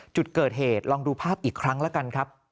จุดเกิดเหตุลองดูภาพอีกครั้งแล้วกันครับ